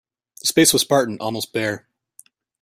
The space was spartan, almost bare.